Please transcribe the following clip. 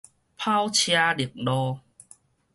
跑車碌路